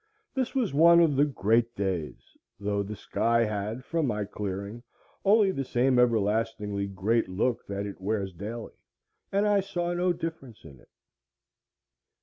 This was one of the great days; though the sky had from my clearing only the same everlastingly great look that it wears daily, and I saw no difference in it.